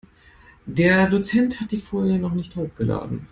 Der Dozent hat die Folien noch nicht hochgeladen.